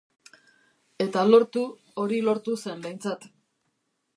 Eta lortu, hori lortu zen behintzat.